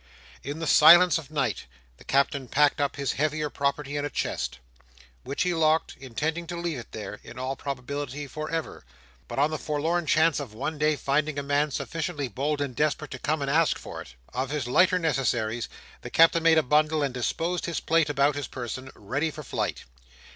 In the silence of night, the Captain packed up his heavier property in a chest, which he locked, intending to leave it there, in all probability for ever, but on the forlorn chance of one day finding a man sufficiently bold and desperate to come and ask for it. Of his lighter necessaries, the Captain made a bundle; and disposed his plate about his person, ready for flight.